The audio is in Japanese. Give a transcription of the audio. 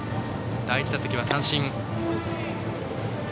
第１打席は三振。